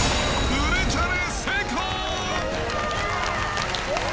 売れチャレ成功。